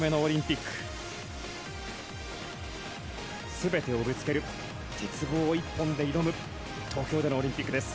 すべてをぶつける、鉄棒一本で挑む東京でのオリンピックです。